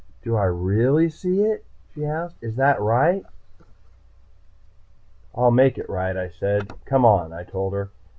"Do I really see it?" she asked. "Is that right?" "I'll make it right," I said. "Come on," I told her.